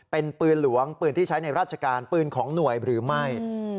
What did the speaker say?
เป็นปืนหลวงปืนที่ใช้ในราชการปืนของหน่วยหรือไม่